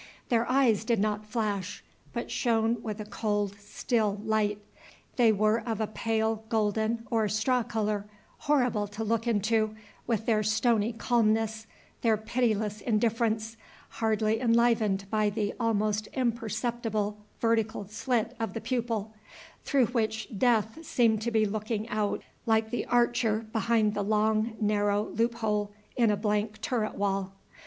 Their eyes did not flash, but shone with a cold still light. They were of a pale golden or straw color, horrible to look into, with their stony calmness, their pitiless indifference, hardly enlivened by the almost imperceptible vertical slit of the pupil, through which Death seemed to be looking out like the archer behind the long narrow loop hole in a blank turret wall.